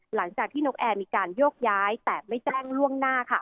หลังจากที่นกแอร์มีการโยกย้ายแต่ไม่แจ้งล่วงหน้าค่ะ